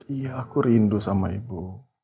iya aku rindu sama ibu